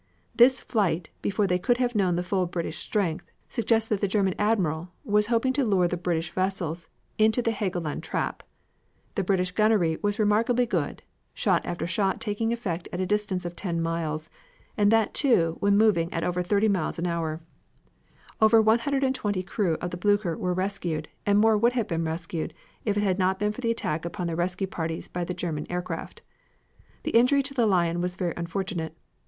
This flight, before they could have known the full British strength, suggests that the German Admiral was hoping to lure the British vessels into the Helgoland trap. The British gunnery was remarkably good, shot after shot taking effect at a distance of ten miles, and that too when moving at over thirty miles an hour. Over 120 of the crew of the Blucher were rescued and more would have been rescued if it had not been for the attack upon the rescue parties by the German aircraft. The injury to the Lion was very unfortunate.